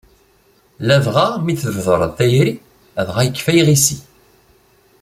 Ladɣa mi d-tbedreḍ tayri, dɣa yekfa yiɣisi.